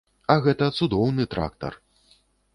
А гэта цудоўны трактар.